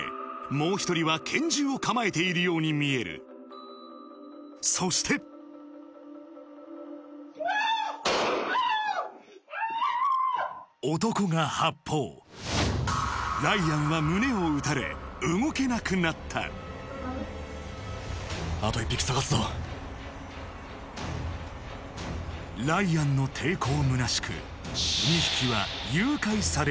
もう一人は拳銃を構えているように見えるそして男が発砲ライアンは胸を撃たれ動けなくなったライアンの抵抗